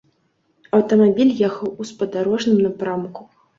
Аўтамабіль ехаў у спадарожным напрамку.